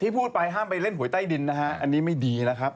พูดไปห้ามไปเล่นหวยใต้ดินนะฮะอันนี้ไม่ดีนะครับ